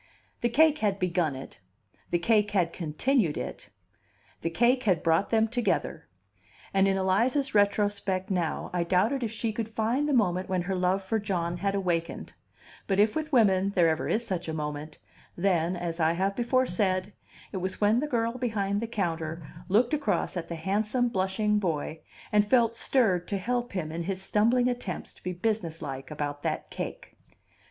The cake had begun it, the cake had continued it, the cake had brought them together; and in Eliza's retrospect now I doubted If she could find the moment when her love for John had awakened; but if with women there ever is such a moment, then, as I have before said, it was when the girl behind the counter looked across at the handsome, blushing boy, and felt stirred to help him in his stumbling attempts to be businesslike about that cake.